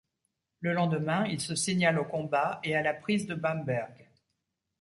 Le lendemain, il se signale au combat et à la prise de Bamberg.